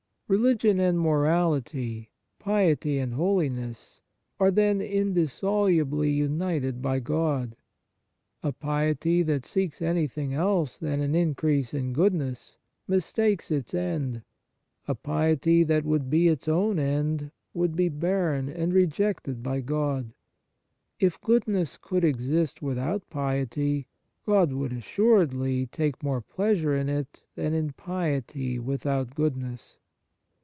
Religion and morality, piety and holiness, are then indissolubly united by God. A piety that seeks anything else than an increase in goodness, mistakes its end ; a piety that would be its own end would be barren and rejected by God. If goodness could exist with out piety, God would assuredly take more pleasure in it than in piety without goodness.